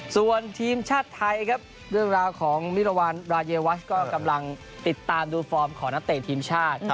ส่วนทีมชาติไทยครับเรื่องราวของมิรวรรณรายวัชก็กำลังติดตามดูฟอร์มของนักเตะทีมชาติ